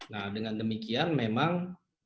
nah dengan demikian memang